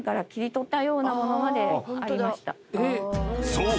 ［そう。